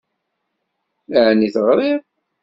Ɛni teɣṛiḍ?